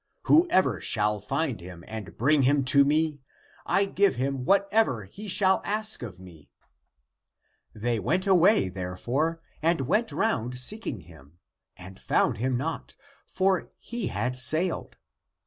Whoever shall find him and bring him to me, I give him whatever he shall ask of me." They went away, therefore, and 238 THE APOCRYPHAL ACTS went round seeking him, and found him not ; for he had sailed.